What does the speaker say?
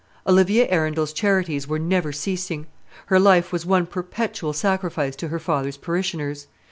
Olivia Arundel's charities were never ceasing; her life was one perpetual sacrifice to her father's parishioners.